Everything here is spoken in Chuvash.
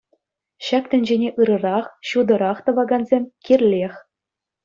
Ҫак тӗнчене ырӑрах, ҫутӑрах тӑвакансем кирлех.